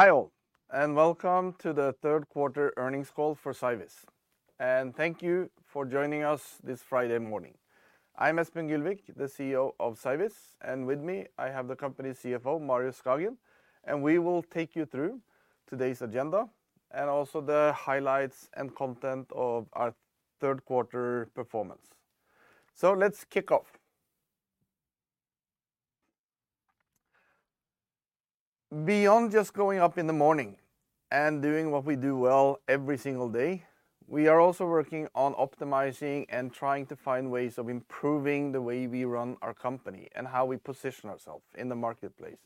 Hi all, and welcome to the third quarter earnings call for Cyviz. Thank you for joining us this Friday morning. I'm Espen Gylvik, the CEO of Cyviz, and with me I have the company CFO, Marius Skagen, and we will take you through today's agenda and also the highlights and content of our third quarter performance. Let's kick off. Beyond just going up in the morning and doing what we do well every single day, we are also working on optimizing and trying to find ways of improving the way we run our company and how we position ourself in the marketplace.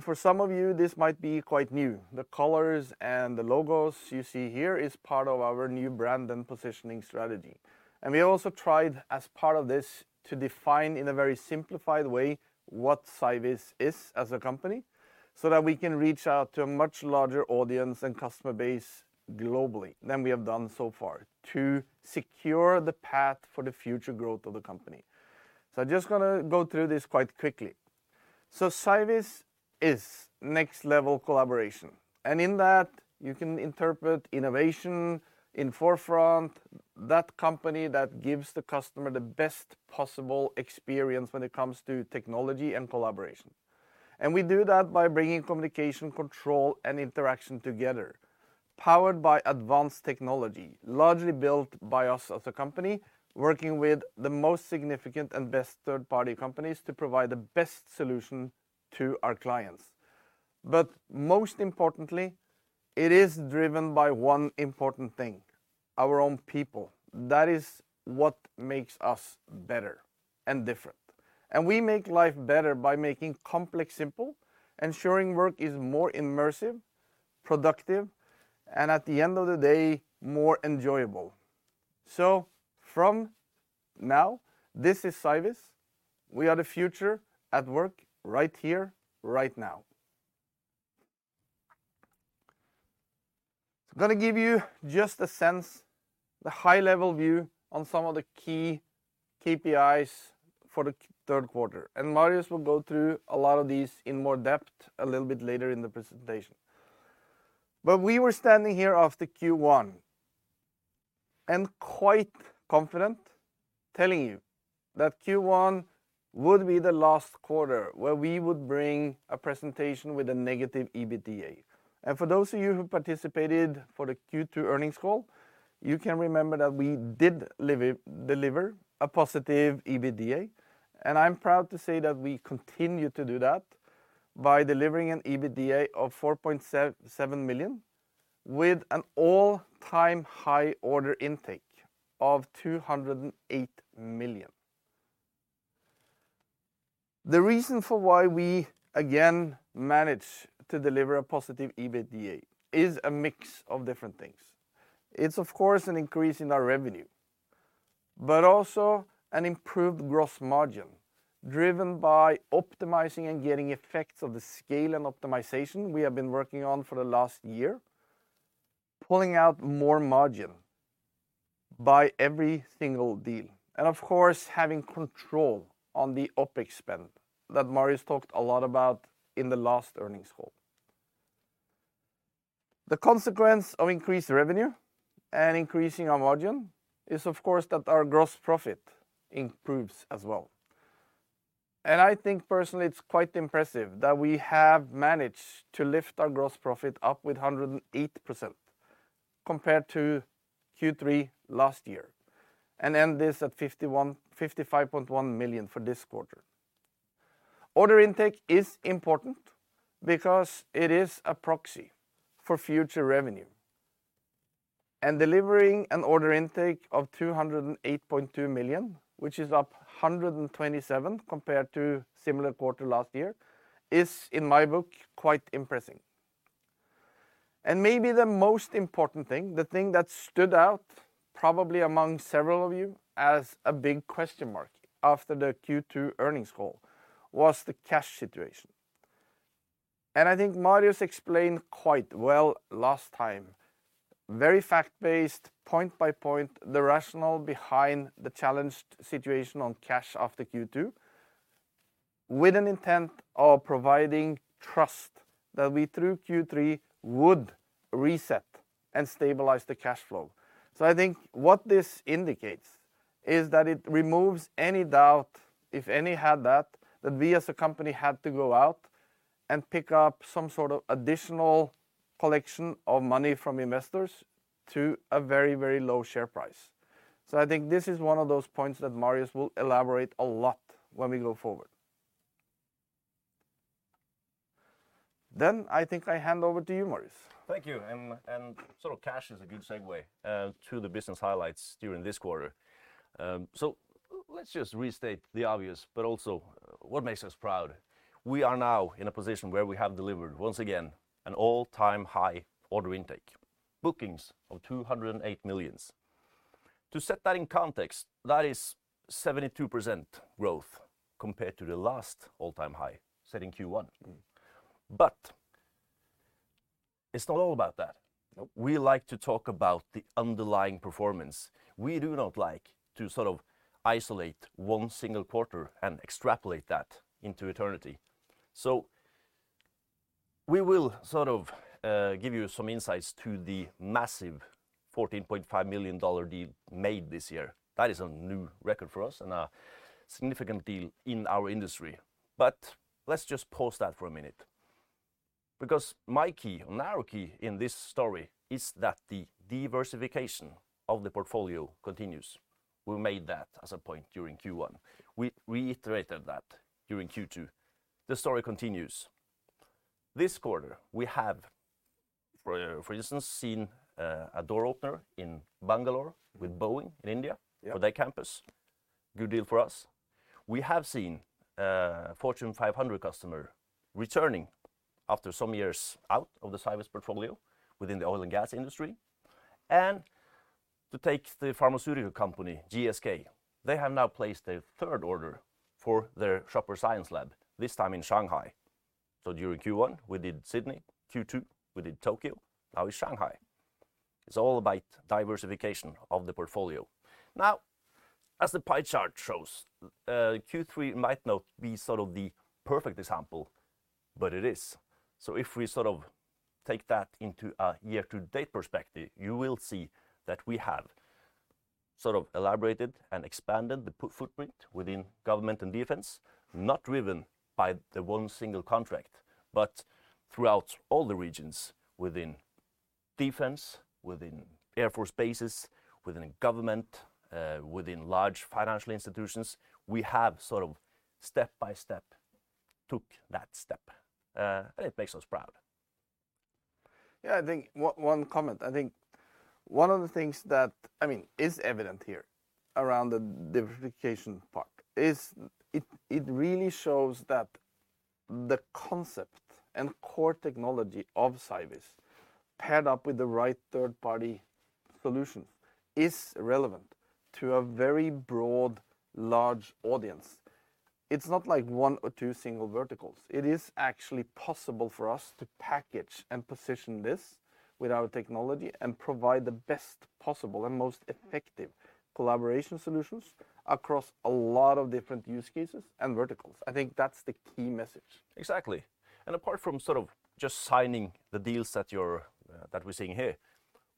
For some of you, this might be quite new. The colors and the logos you see here is part of our new brand and positioning strategy. We also tried as part of this to define in a very simplified way what Cyviz is as a company, so that we can reach out to a much larger audience and customer base globally than we have done so far to secure the path for the future growth of the company. I'm just gonna go through this quite quickly. Cyviz is next level collaboration, and in that, you can interpret innovation in forefront, that company that gives the customer the best possible experience when it comes to technology and collaboration. We do that by bringing communication, control, and interaction together, powered by advanced technology, largely built by us as a company, working with the most significant and best third-party companies to provide the best solution to our clients. Most importantly, it is driven by one important thing, our own people. That is what makes us better and different. We make life better by making complex simple, ensuring work is more immersive, productive, and at the end of the day, more enjoyable. From now, this is Cyviz. We are the future at work right here, right now. I'm gonna give you just a sense, the high-level view on some of the key KPIs for the third quarter, and Marius will go through a lot of these in more depth a little bit later in the presentation. We were standing here after Q1 and quite confident telling you that Q1 would be the last quarter where we would bring a presentation with a negative EBITDA. For those of you who participated for the Q2 earnings call, you can remember that we did deliver a positive EBITDA, and I'm proud to say that we continue to do that by delivering an EBITDA of 4.7 million, with an all-time high order intake of 208 million. The reason for why we again manage to deliver a positive EBITDA is a mix of different things. It's of course an increase in our revenue, but also an improved gross margin driven by optimizing and getting effects of the scale and optimization we have been working on for the last year, pulling out more margin by every single deal, and of course, having control on the OpEx spend that Marius talked a lot about in the last earnings call. The consequence of increased revenue and increasing our margin is of course that our gross profit improves as well. I think personally it's quite impressive that we have managed to lift our gross profit up with 108% compared to Q3 last year, and end this at 55.1 million for this quarter. Order intake is important because it is a proxy for future revenue. Delivering an order intake of 208.2 million, which is up 127% compared to similar quarter last year, is in my book quite impressive. Maybe the most important thing, the thing that stood out probably among several of you as a big question mark after the Q2 earnings call was the cash situation. I think Marius explained quite well last time, very fact-based, point by point, the rationale behind the challenging situation on cash after Q2 with an intent of providing trust that we, through Q3, would reset and stabilize the cash flow. I think what this indicates is that it removes any doubt, if anyone had that we as a company had to go out and pick up some sort of additional injection of money from investors at a very, very low share price. I think this is one of those points that Marius will elaborate a lot when we go forward. I think I hand over to you, Marius. Thank you. Cash is a good segue to the business highlights during this quarter. Let's just restate the obvious, but also what makes us proud. We are now in a position where we have delivered, once again, an all-time high order intake, bookings of 208 million. To set that in context, that is 72% growth compared to the last all-time high set in Q1. It's not all about that. We like to talk about the underlying performance. We do not like to sort of isolate one single quarter and extrapolate that into eternity. We will sort of give you some insights into the massive $14.5 million deal made this year. That is a new record for us and a significant deal in our industry. Let's just pause that for a minute because the key in this story is that the diversification of the portfolio continues. We made that as a point during Q1. We reiterated that during Q2. The story continues. This quarter, we have for instance seen a door opener in Bangalore with Boeing India. Yeah. For their campus. Good deal for us. We have seen Fortune 500 customer returning after some years out of the Cyviz portfolio within the oil and gas industry. To take the pharmaceutical company GSK, they have now placed a third order for their Shopper Science Lab, this time in Shanghai. During Q1, we did Sydney. Q2, we did Tokyo, now it's Shanghai. It's all about diversification of the portfolio. Now, as the pie chart shows, Q3 might not be sort of the perfect example, but it is. If we sort of take that into a year to date perspective, you will see that we have sort of elaborated and expanded the footprint within government and defense, not driven by the one single contract, but throughout all the regions within defense, within air force bases, within government, within large financial institutions, we have sort of step-by-step took that step. It makes us proud. Yeah, I think one comment. I think one of the things that, I mean, is evident here around the diversification part is, it really shows that the concept and core technology of Cyviz paired up with the right third-party solutions is relevant to a very broad, large audience. It's not like one or two single verticals. It is actually possible for us to package and position this with our technology and provide the best possible and most effective collaboration solutions across a lot of different use cases and verticals. I think that's the key message. Exactly. Apart from sort of just signing the deals that we're seeing here,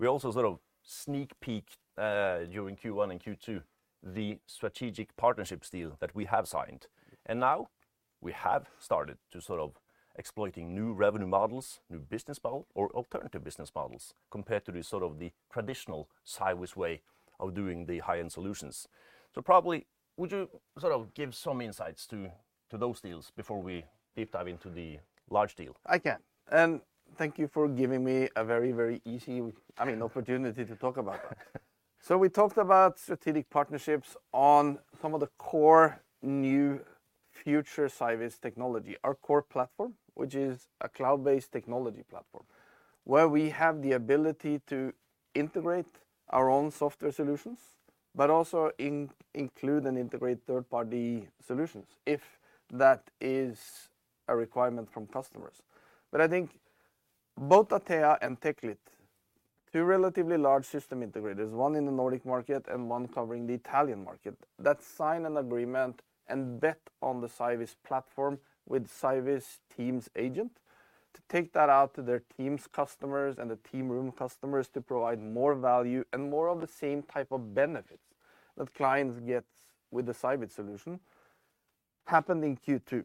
we also sort of sneak peek during Q1 and Q2 the strategic partnerships deal that we have signed. Now we have started to sort of exploiting new revenue models, new business model or alternative business models compared to the sort of the traditional Cyviz way of doing the high-end solutions. Probably would you sort of give some insights to those deals before we deep dive into the large deal? I can. Thank you for giving me a very, very easy, I mean, opportunity to talk about that. We talked about strategic partnerships on some of the core new future Cyviz technology, our core platform, which is a cloud-based technology platform where we have the ability to integrate our own software solutions, but also include and integrate third-party solutions if that is a requirement from customers. I think both Atea and Techlit, two relatively large system integrators, one in the Nordic market and one covering the Italian market, that sign an agreement and bet on the Cyviz platform with Cyviz Easy Agent to take that out to their Teams customers and the Teams Room customers to provide more value and more of the same type of benefits that clients get with the Cyviz solution happened in Q2.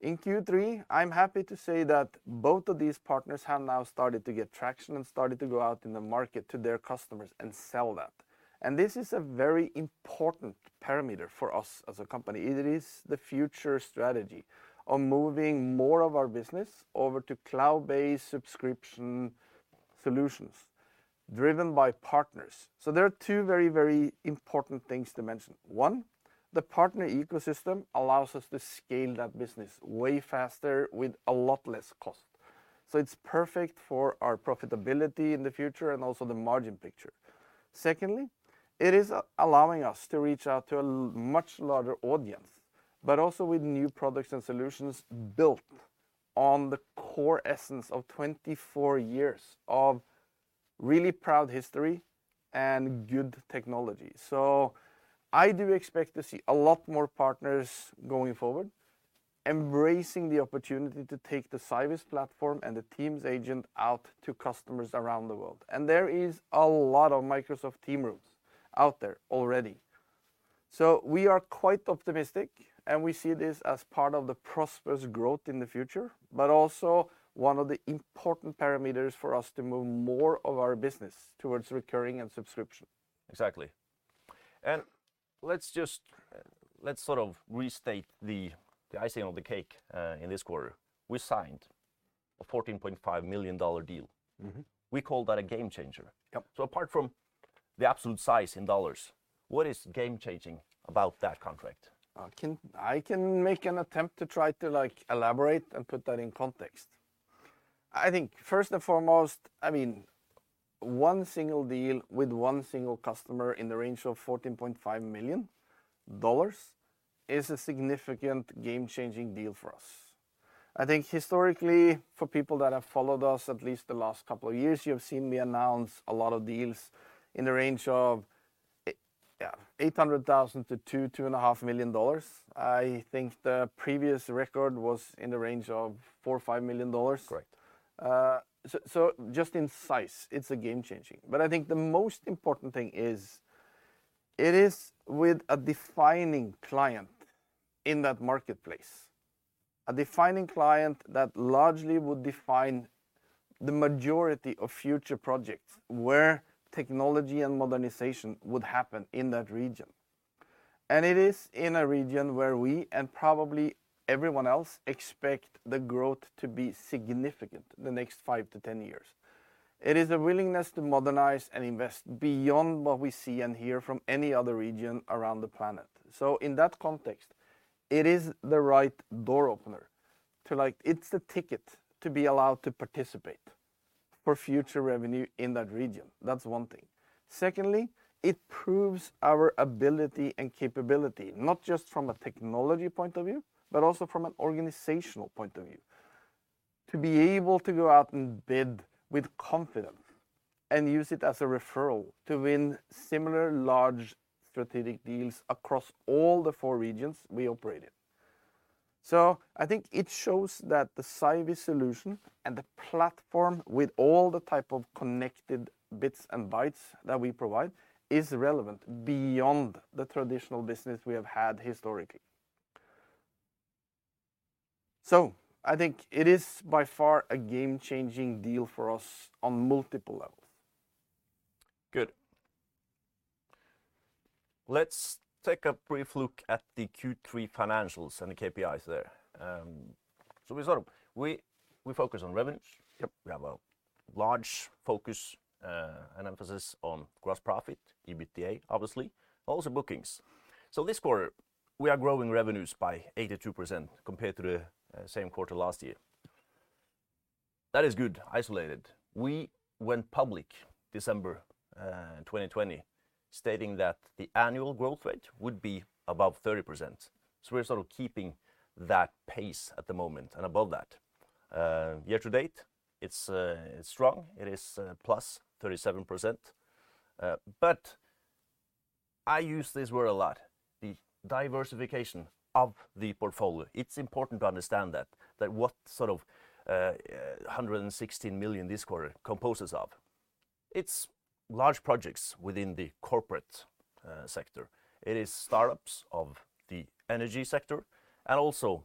In Q3, I'm happy to say that both of these partners have now started to get traction and started to go out in the market to their customers and sell that. This is a very important parameter for us as a company. It is the future strategy of moving more of our business over to cloud-based subscription solutions driven by partners. There are two very, very important things to mention. One, the partner ecosystem allows us to scale that business way faster with a lot less cost. It's perfect for our profitability in the future and also the margin picture. Secondly, it is allowing us to reach out to a much larger audience, but also with new products and solutions built on the core essence of 24 years of really proud history and good technology. I do expect to see a lot more partners going forward, embracing the opportunity to take the Cyviz platform and the Easy Agent out to customers around the world. There is a lot of Microsoft Teams Rooms out there already. We are quite optimistic, and we see this as part of the prosperous growth in the future, but also one of the important parameters for us to move more of our business towards recurring and subscription. Exactly. Let's sort of restate the icing on the cake in this quarter. We signed a $14.5 million deal. Mm-hmm. We call that a game changer. Yep. Apart from the absolute size in dollars, what is game changing about that contract? I can make an attempt to try to like elaborate and put that in context. I think first and foremost, I mean, one single deal with one single customer in the range of $14.5 million is a significant game-changing deal for us. I think historically, for people that have followed us at least the last couple of years, you have seen me announce a lot of deals in the range of $800,000 million-$2.5 million. I think the previous record was in the range of $4 million-$5 million. Correct. Just in size, it's a game-changing. I think the most important thing is it is with a defining client in that marketplace, a defining client that largely would define the majority of future projects where technology and modernization would happen in that region, and it is in a region where we, and probably everyone else, expect the growth to be significant the next five to ten years. It is a willingness to modernize and invest beyond what we see and hear from any other region around the planet. In that context, it is the right door opener to like it's the ticket to be allowed to participate for future revenue in that region. That's one thing. Secondly, it proves our ability and capability, not just from a technology point of view, but also from an organizational point of view, to be able to go out and bid with confidence and use it as a referral to win similar large strategic deals across all the four regions we operate in. I think it shows that the Cyviz solution and the platform with all the type of connected bits and bytes that we provide is relevant beyond the traditional business we have had historically. I think it is by far a game-changing deal for us on multiple levels. Good. Let's take a brief look at the Q3 financials and the KPIs there. We focus on revenue. Yep. We have a large focus and emphasis on gross profit, EBITDA, obviously, also bookings. This quarter, we are growing revenues by 82% compared to the same quarter last year. That is good isolated. We went public December 2020, stating that the annual growth rate would be above 30%. We're sort of keeping that pace at the moment and above that. Year to date, it's strong. It is plus 37%. I use this word a lot, the diversification of the portfolio. It's important to understand that what sort of 116 million this quarter composes of. It's large projects within the corporate sector. It is startups of the energy sector and also,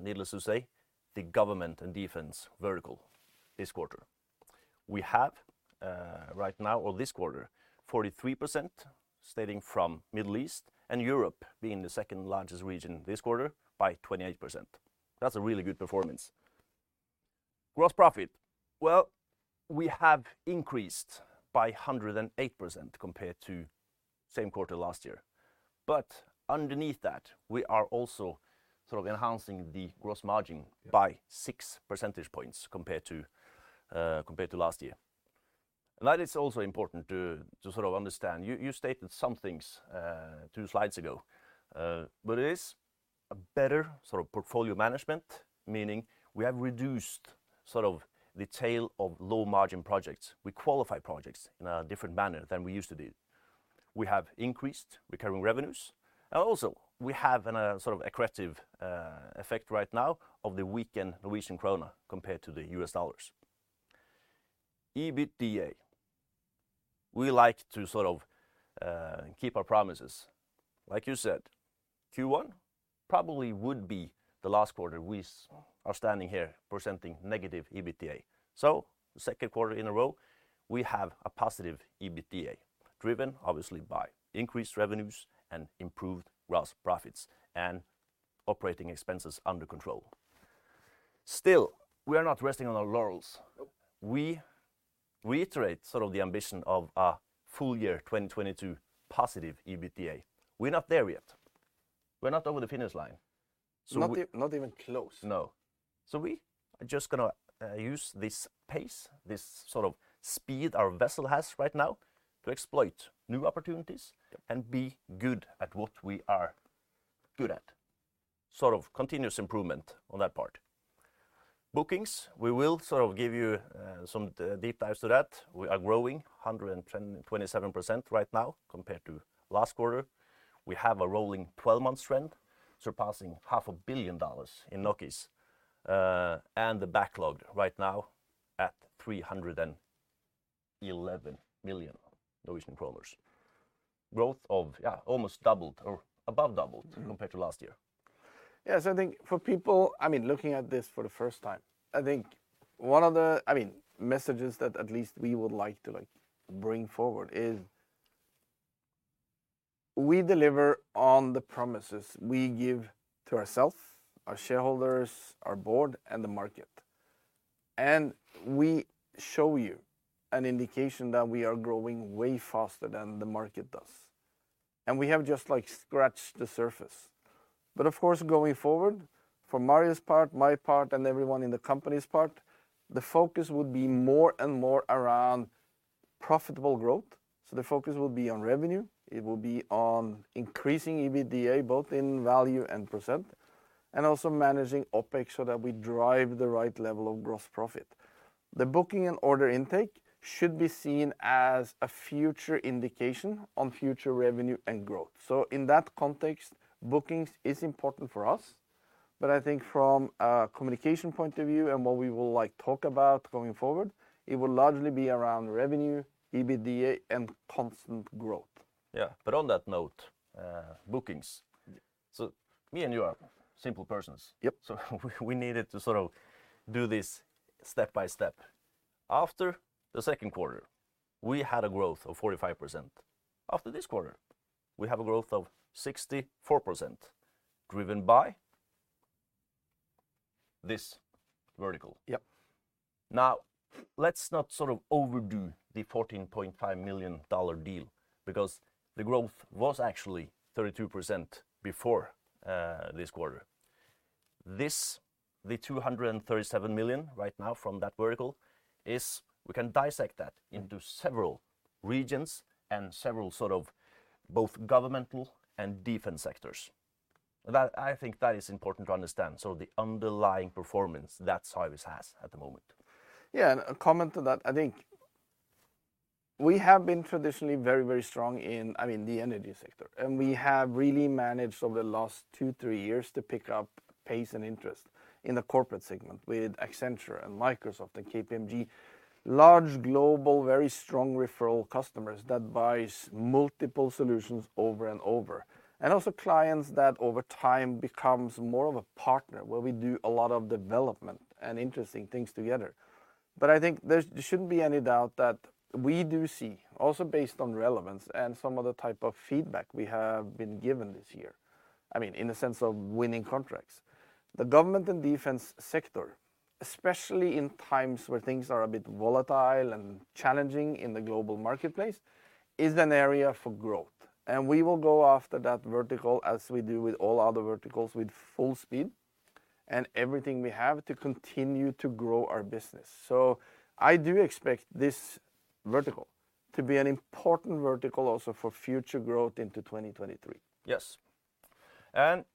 needless to say, the government and defense vertical this quarter. We have right now or this quarter, 43% stemming from Middle East and Europe being the second largest region this quarter by 28%. That's a really good performance. Gross profit. Well, we have increased by 108% compared to same quarter last year. Underneath that, we are also sort of enhancing the gross margin by 6 percentage points compared to last year. That is also important to sort of understand. You stated some things two slides ago. It is a better sort of portfolio management, meaning we have reduced sort of the tail of low-margin projects. We qualify projects in a different manner than we used to do. We have increased recurring revenues. And also, we have a sort of accretive effect right now of the weakened Norwegian krone compared to the U.S. dollars. EBITDA, we like to sort of keep our promises. Like you said, Q1 probably would be the last quarter we are standing here presenting negative EBITDA. The second quarter in a row, we have a positive EBITDA, driven obviously by increased revenues and improved gross profits and operating expenses under control. Still, we are not resting on our laurels. We reiterate sort of the ambition of a full year 2022 positive EBITDA. We're not there yet. We're not over the finish line. Not even close. No. We are just gonna use this pace, this sort of speed our vessel has right now to exploit new opportunities. Yep. Be good at what we are good at, sort of continuous improvement on that part. Bookings, we will sort of give you some deep dives into that. We are growing 127% right now compared to last quarter. We have a rolling twelve-month trend surpassing half a billion dollars in NOK, and the backlog right now at 311 million. Growth of, yeah, almost doubled or above doubled compared to last year. Yeah. I think for people, I mean, looking at this for the first time, I think one of the, I mean, messages that at least we would like to, like, bring forward is we deliver on the promises we give to ourself, our shareholders, our board, and the market. We show you an indication that we are growing way faster than the market does. We have just like scratched the surface. Of course, going forward from Marius's part, my part, and everyone in the company's part, the focus will be more and more around profitable growth. The focus will be on revenue, it will be on increasing EBITDA both in value and percent, and also managing OpEx so that we drive the right level of gross profit. The booking and order intake should be seen as a future indication on future revenue and growth. In that context, bookings is important for us, but I think from a communication point of view and what we will like talk about going forward, it will largely be around revenue, EBITDA, and constant growth. Yeah, on that note, bookings. Me and you are simple persons. Yep. We needed to sort of do this step by step. After the second quarter, we had a growth of 45%. After this quarter, we have a growth of 64% driven by this vertical. Yep. Now, let's not sort of overdo the $14.5 million deal because the growth was actually 32% before this quarter. This, the 237 million right now from that vertical is, we can dissect that into several regions and several sort of both governmental and defense sectors. That, I think that is important to understand, so the underlying performance that Cyviz has at the moment. Yeah, a comment to that, I think we have been traditionally very, very strong in, I mean, the energy sector, and we have really managed over the last two, three years to pick up pace and interest in the corporate segment with Accenture and Microsoft and KPMG, large global, very strong referral customers that buys multiple solutions over and over. Also clients that over time becomes more of a partner, where we do a lot of development and interesting things together. I think there shouldn't be any doubt that we do see, also based on relevance and some other type of feedback we have been given this year, I mean, in the sense of winning contracts. The government and defense sector, especially in times where things are a bit volatile and challenging in the global marketplace, is an area for growth. We will go after that vertical as we do with all other verticals with full speed and everything we have to continue to grow our business. I do expect this vertical to be an important vertical also for future growth into 2023. Yes.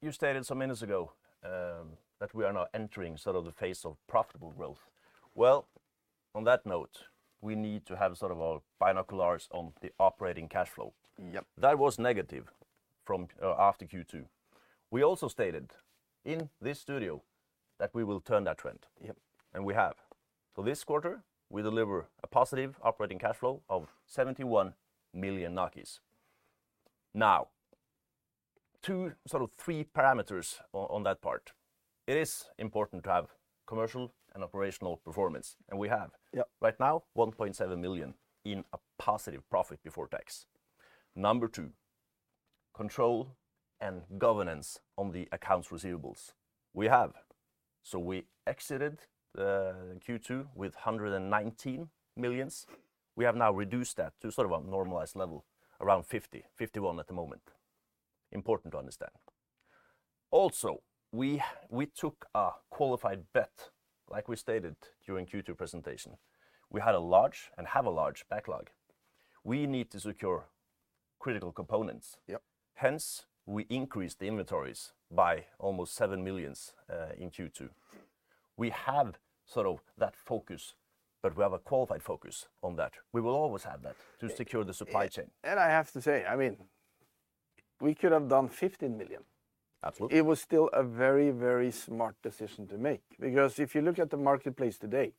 You stated some minutes ago that we are now entering sort of the phase of profitable growth. Well, on that note, we need to have sort of our binoculars on the Operating Cash Flow. Yep. That was negative from after Q2. We also stated in this studio that we will turn that trend. Yep. We have. This quarter, we deliver a positive operating cash flow of 71 million. Now, two, sort of three parameters on that part. It is important to have commercial and operational performance, and we have. Yep. Right now, 1.7 million in a positive profit before tax. Number two, control and governance on the accounts receivable. We have. We exited Q2 with 119 million. We have now reduced that to sort of a normalized level, around 50 million, 51 million at the moment. Important to understand. Also, we took a qualified bet, like we stated during Q2 presentation. We had a large and have a large backlog. We need to secure critical components. Yep. Hence, we increased the inventories by almost 7 million in Q2. We have sort of that focus, but we have a qualified focus on that. We will always have that to secure the supply chain. I have to say, I mean, we could have done 15 million. Absolutely. It was still a very, very smart decision to make because if you look at the marketplace today,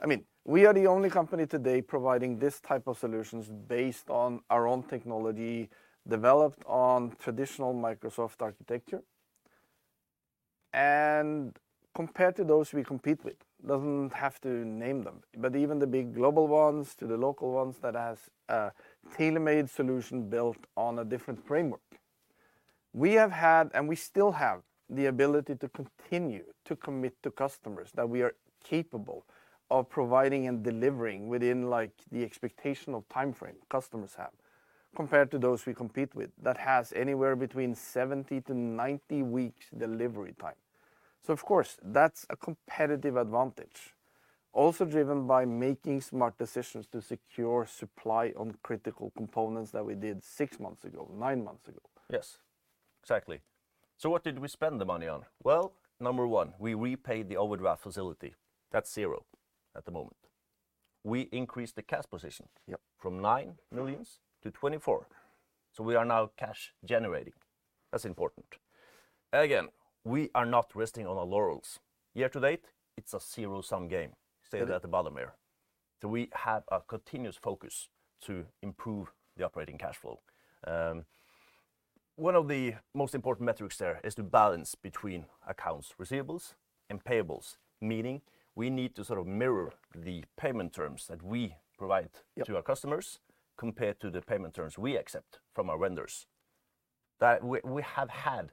I mean, we are the only company today providing this type of solutions based on our own technology, developed on traditional Microsoft architecture. Compared to those we compete with, doesn't have to name them, but even the big global ones to the local ones that has a tailor-made solution built on a different framework, we have had and we still have the ability to continue to commit to customers that we are capable of providing and delivering within like the expectational timeframe customers have, compared to those we compete with that has anywhere between 70-90 weeks delivery time. Of course, that's a competitive advantage, also driven by making smart decisions to secure supply on critical components that we did six months ago, nine months ago. Yes. Exactly. What did we spend the money on? Well, number one, we repaid the overdraft facility. That's zero at the moment. We increased the cash position. Yep. From 9 million to 24 million. We are now cash generating. That's important. Again, we are not resting on our laurels. Year to date, it's a zero-sum game. stated at the bottom here. We have a continuous focus to improve the operating cash flow. One of the most important metrics there is the balance between accounts receivable and payables, meaning we need to sort of mirror the payment terms that we provide. Yep To our customers compared to the payment terms we accept from our vendors. That we have had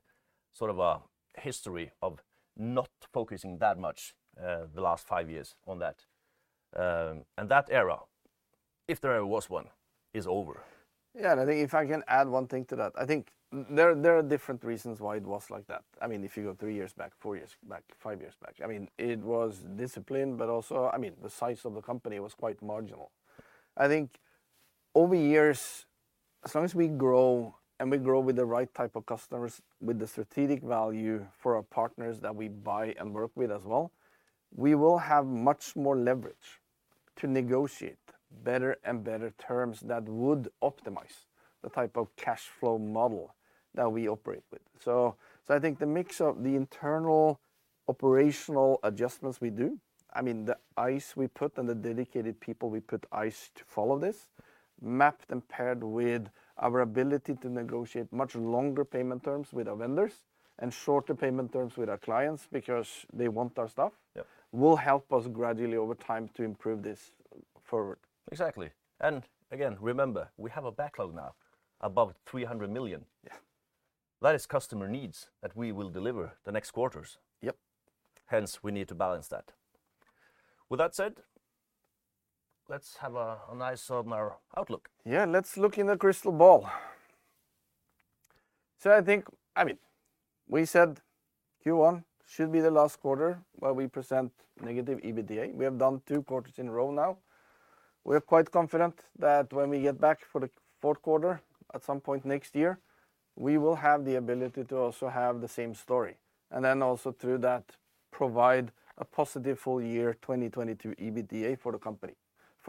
sort of a history of not focusing that much, the last five years on that. That era, if there ever was one, is over. Yeah, I think if I can add one thing to that, I think there are different reasons why it was like that. I mean, if you go three years back, four years back, five years back, I mean, it was discipline, but also, I mean, the size of the company was quite marginal. I think over years, as long as we grow and we grow with the right type of customers, with the strategic value for our partners that we buy and work with as well, we will have much more leverage to negotiate better and better terms that would optimize the type of cash flow model that we operate with. I think the mix of the internal operational adjustments we do, I mean, the eyes we put and the dedicated people we put eyes to follow this, mapped and paired with our ability to negotiate much longer payment terms with our vendors and shorter payment terms with our clients because they want our stuff. Yep. Will help us gradually over time to improve this forward. Exactly. Again, remember, we have a backlog now, about 300 million. Yeah. That is customer needs that we will deliver the next quarters. Yep. Hence, we need to balance that. With that said, let's have a nice look on our outlook. Yeah. Let's look in the crystal ball. I think I mean, we said Q1 should be the last quarter where we present negative EBITDA. We have done two quarters in a row now. We're quite confident that when we get back for the fourth quarter, at some point next year, we will have the ability to also have the same story, and then also through that, provide a positive full year 2022 EBITDA for the company,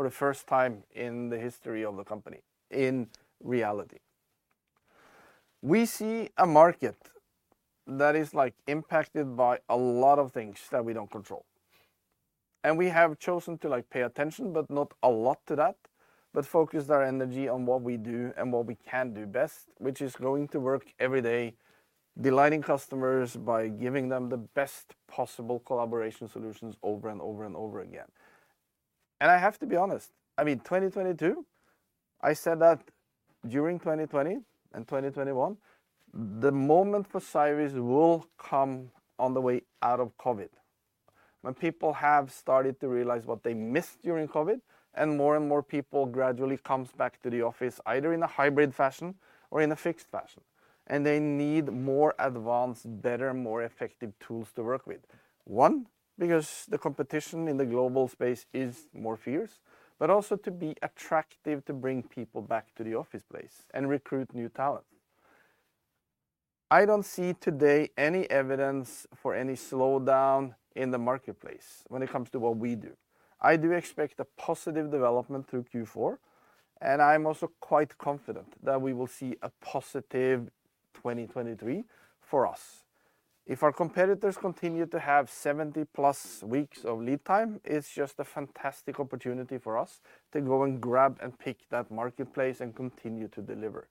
for the first time in the history of the company, in reality. We see a market that is, like, impacted by a lot of things that we don't control, and we have chosen to, like, pay attention but not a lot to that, but focus our energy on what we do and what we can do best, which is going to work every day, delighting customers by giving them the best possible collaboration solutions over and over and over again. I have to be honest, I mean, 2022, I said that during 2020 and 2021, the moment for Cyviz will come on the way out of COVID, when people have started to realize what they missed during COVID, and more and more people gradually comes back to the office, either in a hybrid fashion or in a fixed fashion, and they need more advanced, better, more effective tools to work with. One, because the competition in the global space is more fierce, but also to be attractive to bring people back to the office place and recruit new talent. I don't see today any evidence for any slowdown in the marketplace when it comes to what we do. I do expect a positive development through Q4, and I'm also quite confident that we will see a positive 2023 for us. If our competitors continue to have 70+ weeks of lead time, it's just a fantastic opportunity for us to go and grab and pick that marketplace and continue to deliver.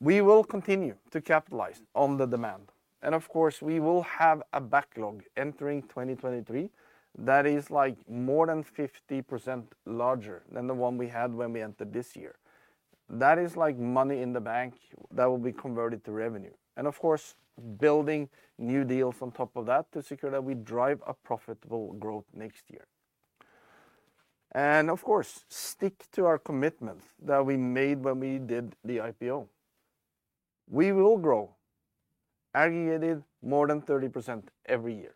We will continue to capitalize on the demand, and of course, we will have a backlog entering 2023 that is, like, more than 50% larger than the one we had when we entered this year. That is like money in the bank that will be converted to revenue, and of course, building new deals on top of that to secure that we drive a profitable growth next year. Of course, stick to our commitments that we made when we did the IPO. We will grow aggregated more than 30% every year,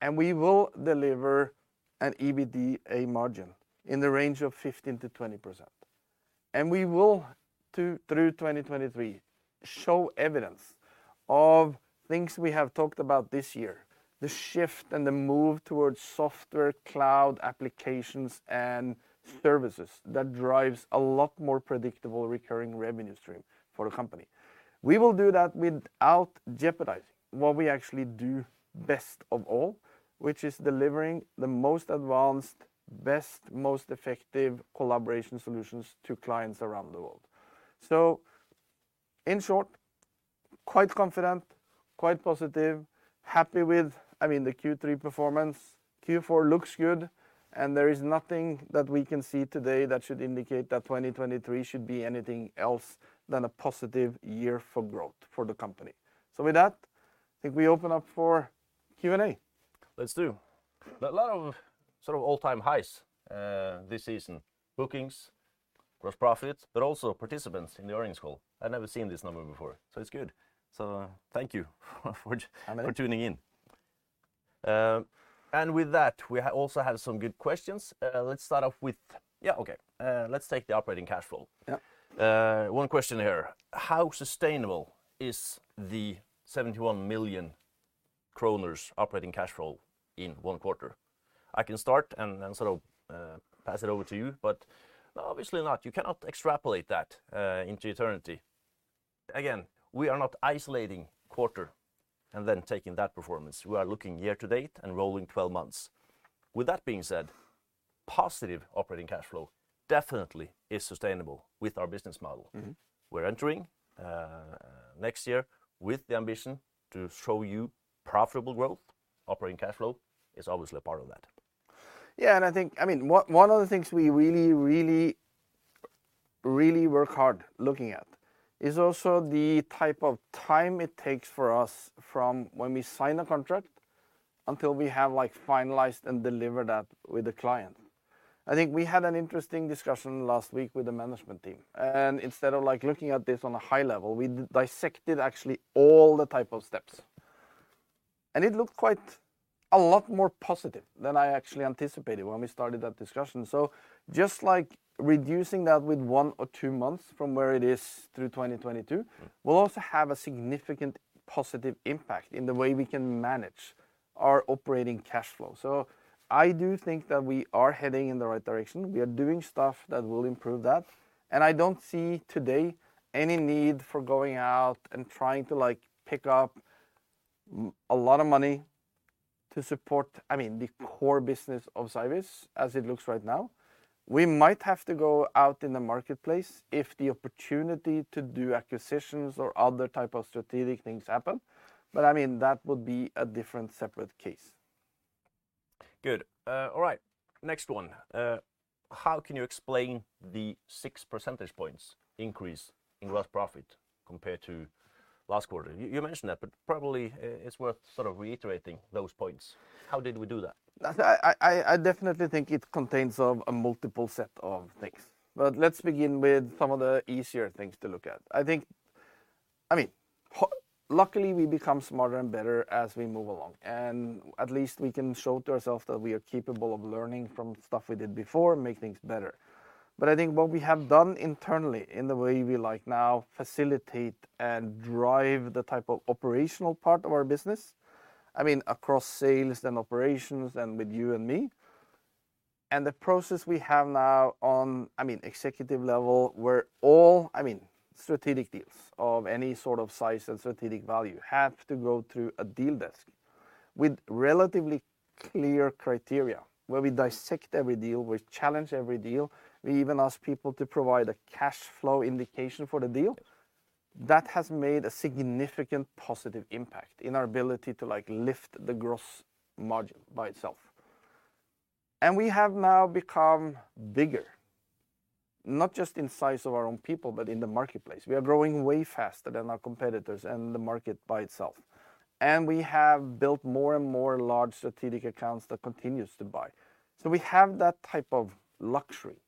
and we will deliver an EBITDA margin in the range of 15%-20%, and we will, through 2023, show evidence of things we have talked about this year, the shift and the move towards software, cloud applications, and services that drives a lot more predictable recurring revenue stream for a company. We will do that without jeopardizing what we actually do best of all, which is delivering the most advanced, best, most effective collaboration solutions to clients around the world. In short, quite confident, quite positive, happy with, I mean, the Q3 performance. Q4 looks good, and there is nothing that we can see today that should indicate that 2023 should be anything else than a positive year for growth for the company. With that, I think we open up for Q&A. Let's do. A lot of sort of all-time highs this season. Bookings, gross profits, but also participants in the earnings call. I've never seen this number before, so it's good. Thank you for tuning in. With that, we also had some good questions. Let's take the operating cash flow. Yeah. One question here, "How sustainable is the 71 million kroner operating cash flow in one quarter?" I can start and then sort of pass it over to you, but obviously not. You cannot extrapolate that into eternity. Again, we are not isolating quarter and then taking that performance. We are looking year to date and rolling 12 months. With that being said, positive operating cash flow definitely is sustainable with our business model. Mm-hmm. We're entering next year with the ambition to show you profitable growth. Operating Cash Flow is obviously a part of that. Yeah, I think, I mean, one of the things we really work hard looking at is also the type of time it takes for us from when we sign a contract until we have, like, finalized and delivered that with the client. I think we had an interesting discussion last week with the management team, and instead of, like, looking at this on a high level, we dissected actually all the type of steps. It looked quite a lot more positive than I actually anticipated when we started that discussion. Just like reducing that with one or two months from where it is through 2022 will also have a significant positive impact in the way we can manage our operating cash flow. I do think that we are heading in the right direction. We are doing stuff that will improve that, and I don't see today any need for going out and trying to, like, pick up a lot of money to support, I mean, the core business of Cyviz as it looks right now. We might have to go out in the marketplace if the opportunity to do acquisitions or other type of strategic things happen, but, I mean, that would be a different separate case. Good. All right, next one. How can you explain the six percentage points increase in gross profit compared to last quarter? You mentioned that, but probably it's worth sort of reiterating those points. How did we do that? I definitely think it contains of a multiple set of things. Let's begin with some of the easier things to look at. I think, I mean, luckily, we become smarter and better as we move along, and at least we can show to ourselves that we are capable of learning from stuff we did before and make things better. I think what we have done internally in the way we, like, now facilitate and drive the type of operational part of our business, I mean, across sales, then operations, and with you and me, and the process we have now on, I mean, executive level, where all, I mean, strategic deals of any sort of size and strategic value have to go through a deal desk with relatively clear criteria, where we dissect every deal, we challenge every deal. We even ask people to provide a cash flow indication for the deal. That has made a significant positive impact in our ability to, like, lift the gross margin by itself. We have now become bigger, not just in size of our own people, but in the marketplace. We are growing way faster than our competitors and the market by itself, and we have built more and more large strategic accounts that continues to buy. We have that type of luxury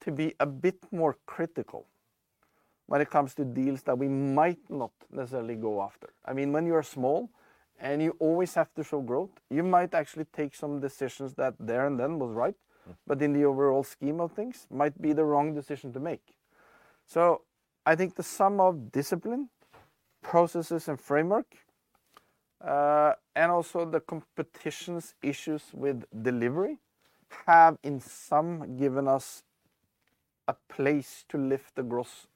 to be a bit more critical when it comes to deals that we might not necessarily go after. I mean, when you are small, and you always have to show growth, you might actually take some decisions that there and then was right. Mm. In the overall scheme of things might be the wrong decision to make. I think the sum of discipline, processes and framework, and also the competition's issues with delivery have, in sum, given us a place to lift the gross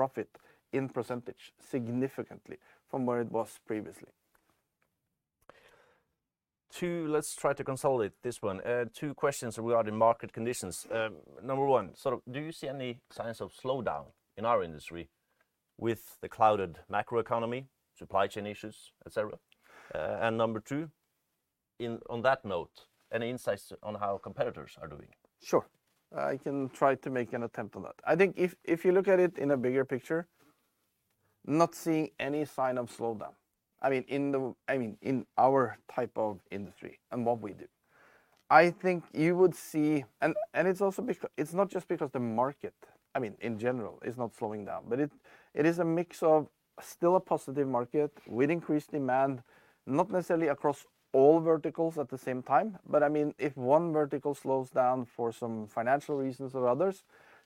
profit in percentage significantly from where it was previously. Let's try to consolidate this one. Two questions regarding market conditions. Number one, so do you see any signs of slowdown in our industry with the clouded macroeconomy, supply chain issues, et cetera? Number two, on that note, any insights on how competitors are doing? Sure. I can try to make an attempt on that. I think if you look at it in a bigger picture, not seeing any sign of slowdown, I mean, in our type of industry and what we do. I think you would see. It's also not just because the market, I mean, in general, is not slowing down. It is a mix of still a positive market with increased demand, not necessarily across all verticals at the same time. I mean, if one vertical slows down for some financial reasons or others,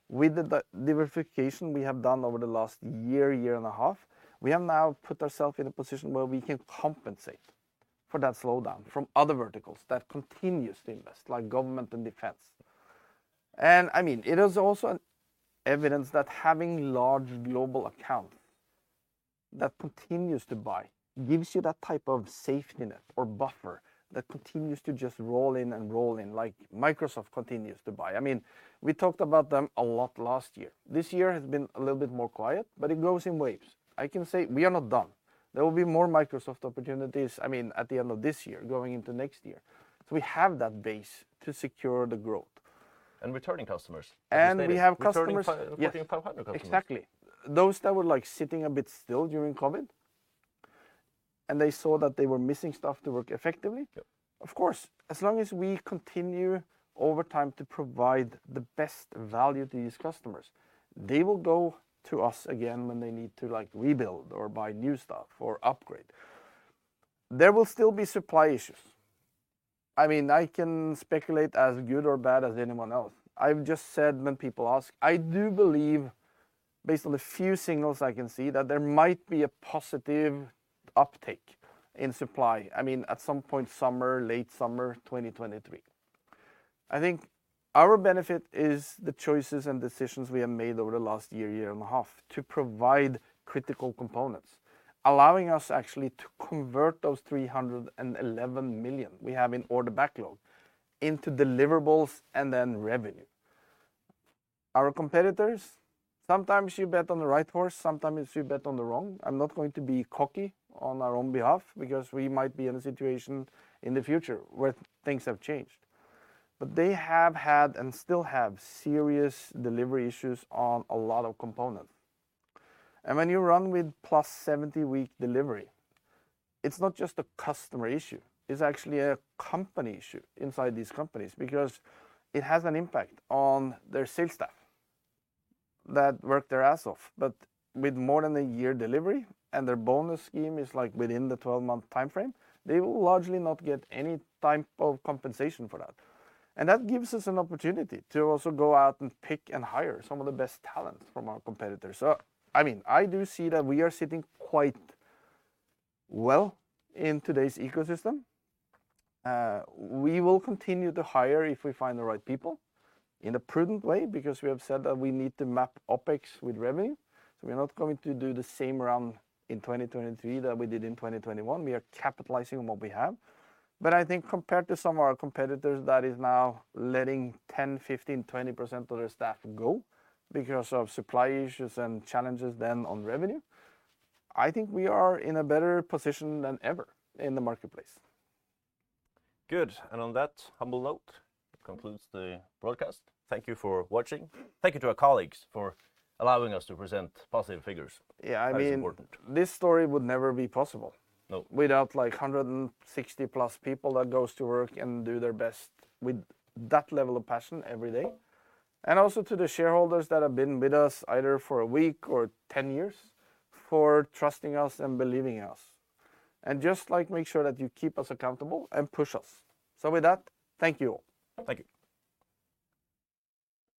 with the diversification we have done over the last year and a half, we have now put ourself in a position where we can compensate for that slowdown from other verticals that continues to invest, like government and defense. I mean, it is also an evidence that having large global account that continues to buy gives you that type of safety net or buffer that continues to just roll in and roll in, like Microsoft continues to buy. I mean, we talked about them a lot last year. This year has been a little bit more quiet, but it goes in waves. I can say we are not done. There will be more Microsoft opportunities, I mean, at the end of this year, going into next year. We have that base to secure the growth. Returning customers. We have customers. You stated returning a few types of customers. Exactly. Those that were, like, sitting a bit still during COVID, and they saw that they were missing stuff to work effectively. Yep. Of course, as long as we continue over time to provide the best value to these customers, they will go to us again when they need to, like, rebuild or buy new stuff or upgrade. There will still be supply issues. I mean, I can speculate as good or bad as anyone else. I've just said when people ask, I do believe, based on the few signals I can see, that there might be a positive uptake in supply, I mean, at some point summer, late summer 2023. I think our benefit is the choices and decisions we have made over the last year and a half to provide critical components, allowing us actually to convert those 311 million we have in order backlog into deliverables and then revenue. Our competitors, sometimes you bet on the right horse, sometimes you bet on the wrong. I'm not going to be cocky on our own behalf because we might be in a situation in the future where things have changed. They have had and still have serious delivery issues on a lot of components. When you run with plus 70-week delivery, it's not just a customer issue, it's actually a company issue inside these companies because it has an impact on their sales staff that work their ass off. With more than a year delivery, and their bonus scheme is like within the 12-month timeframe, they will largely not get any type of compensation for that. That gives us an opportunity to also go out and pick and hire some of the best talent from our competitors. I mean, I do see that we are sitting quite well in today's ecosystem. We will continue to hire if we find the right people in a prudent way, because we have said that we need to map OpEx with revenue. We're not going to do the same run in 2023 that we did in 2021. We are capitalizing on what we have. I think compared to some of our competitors that is now letting 10, 15, 20% of their staff go because of supply issues and challenges then on revenue, I think we are in a better position than ever in the marketplace. Good. On that humble note, that concludes the broadcast. Thank you for watching. Thank you to our colleagues for allowing us to present positive figures. Yeah, I mean. That is important. This story would never be possible. No.... without like 160+ people that goes to work and do their best with that level of passion every day. Also to the shareholders that have been with us either for a week or 10 years, for trusting us and believing us. Just, like, make sure that you keep us accountable and push us. With that, thank you all. Thank you.